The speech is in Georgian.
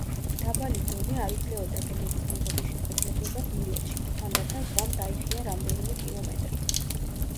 დაბალი დონე არ იძლეოდა გემების მიღების შესაძლებლობას მილეტში, თანდათან ზღვამ დაიხია რამდენიმე კილომეტრი.